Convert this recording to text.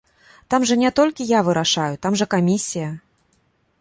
Там жа не толькі я вырашаю, там жа камісія.